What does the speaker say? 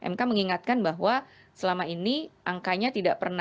mk mengingatkan bahwa selama ini angkanya sudah cukup lama